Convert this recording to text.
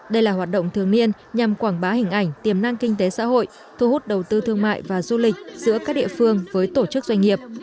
đây là hoạt động thường niên nhằm quảng bá hình ảnh tiềm năng kinh tế xã hội thu hút đầu tư thương mại và du lịch giữa các địa phương với tổ chức doanh nghiệp